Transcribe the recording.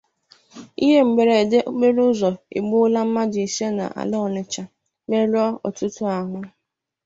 Ihe Mberede Okporo Ụzọ Egbuola Mmadụ Isii n'ala Ọnịtsha, Merụọ Ọtụtụ Ahụ